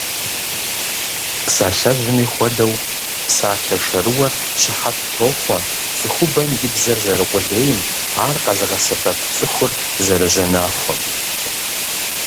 Псалъэжьми хуэдэу, псалъэ шэрыуэр щыхьэт тохъуэ цӀыхубэм и бзэр зэрыкъулейм, ар къэзыгъэсэбэп цӀыхур зэрыжьэнахуэм.